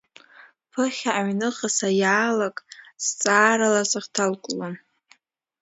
Ԥыхьа аҩныҟа саиаалак, зҵаарала сыхҭалклон…